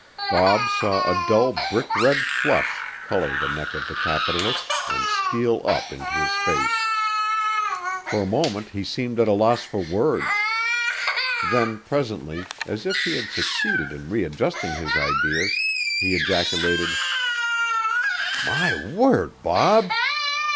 Bob saw a dull brick red flush color the neck of the capitalist and steal up into his face. For a moment he seemed at a loss for words. Then presently, as if he had succeeded in readjusting his ideas, he ejaculated: "My word, Bob!